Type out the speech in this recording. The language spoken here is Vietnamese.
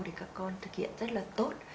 thì các con thực hiện rất là tốt